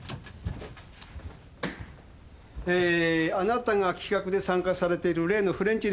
えーあなたが企画で参加されている例のフレンチレストラン。